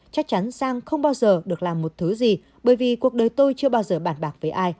chắc chắn sang không bao giờ được làm một thứ gì bởi vì cuộc đời tôi chưa bao giờ bản bạc với ai